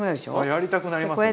やりたくなりますね。